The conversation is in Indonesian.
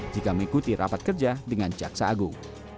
jika mengikuti rapat kerja dengan jaksa agung